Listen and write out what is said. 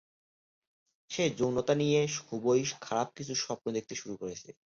সে যৌনতা নিয়ে খুবই খারাপ কিছু স্বপ্ন দেখতে শুরু করেছে।